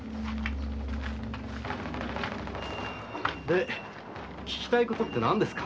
で聞きたいことって何ですか？